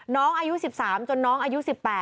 น้องอายุ๑๓จนน้องอายุ๑๘